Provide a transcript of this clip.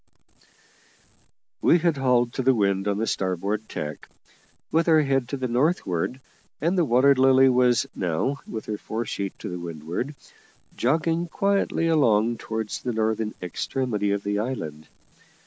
We had hauled to the wind on the starboard tack, with our head to the northward, and the Water Lily was now, with her fore sheet to windward, jogging quietly along towards the northern extremity of the island.